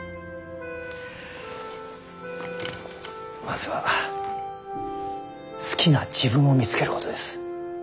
まずは好きな自分を見つけることです。